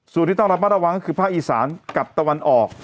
สูตรที่ต้องรับระวังคือพระอีสานกลับตะวันออก